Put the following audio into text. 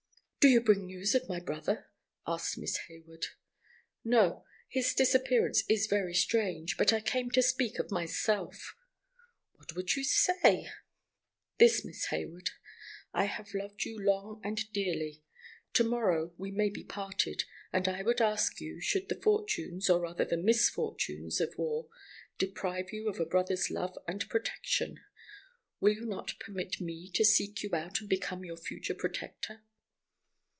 "Do you bring news of my brother?" asked Miss Hayward. "No! His disappearance is very strange. But I came to speak of myself." "What would you say?" "This, Miss Hayward. I have loved you long and dearly. To morrow we may be parted, and I would ask you, should the fortunes, or rather the misfortunes, of war deprive you of a brother's love and protection, will you not permit me to seek you out and become your future protector?"